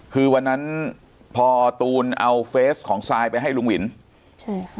คือวันนั้นพอตูนเอาเฟสของซายไปให้ลุงหวินใช่ค่ะ